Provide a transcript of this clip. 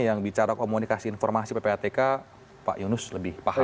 yang bicara komunikasi informasi ppatk pak yunus lebih paham